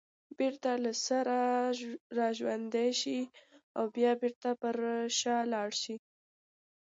بېرته له سره راژوندي شي او بیا بېرته پر شا لاړ شي